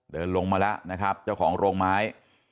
เดินลงมาแล้วนะครับเจ้าของโรงไม้